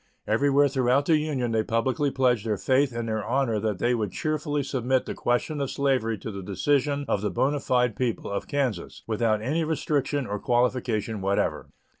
Everywhere throughout the Union they publicly pledged their faith and their honor that they would cheerfully submit the question of slavery to the decision of the bona fide people of Kansas, without any restriction or qualification whatever.